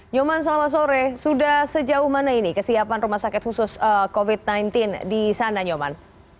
nyoman selamat sore sudah sejauh mana ini kesiapan rumah sakit khusus covid sembilan belas di sana nyoman